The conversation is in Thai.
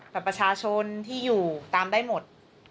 บัตรประชาชนที่อยู่ตามได้หมด